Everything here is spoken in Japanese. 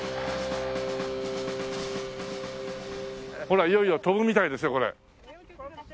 ほらいよいよ飛ぶみたいですよこれ。